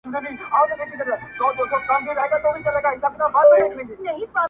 ده هم وركړل انعامونه د ټگانو٫